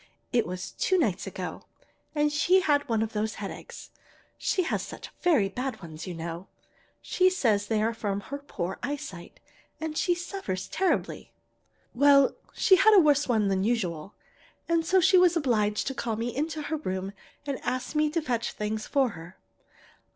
It was two nights ago, and she had one of those headaches. She has such very bad ones, you know. She says they are from her poor eye sight, and she suffers terribly. "Well, she had a worse one than usual, and so she was obliged to call me into her room and ask me to fetch things for her.